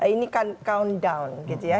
ini countdown gitu ya